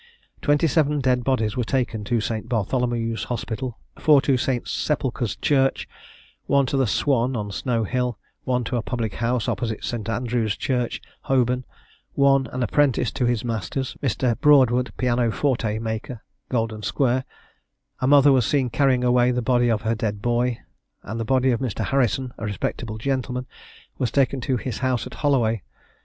Twenty seven dead bodies were taken to St. Bartholomew's Hospital; four to St. Sepulchre's church; one to the Swan on Snow hill, one to a public house opposite St. Andrew's church, Holborn; one, an apprentice, to his master's, Mr. Broadwood, pianoforte maker, Golden square; a mother was seen carrying away the body of her dead boy; and the body of Mr. Harrison, a respectable gentleman, was taken to his house at Holloway.